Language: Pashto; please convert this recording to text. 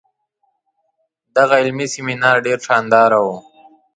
دغه علمي سیمینار ډیر شانداره وو.